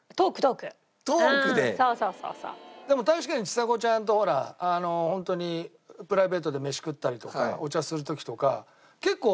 でも確かにちさ子ちゃんとほらホントにプライベートで飯食ったりとかお茶する時とか結構。